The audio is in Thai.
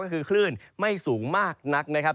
ก็คือคลื่นไม่สูงมากนักนะครับ